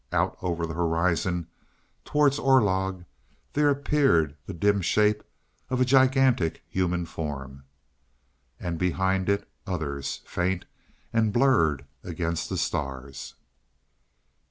Out over the horizon, towards Orlog, there appeared the dim shape of a gigantic human form, and behind it others, faint and blurred against the stars!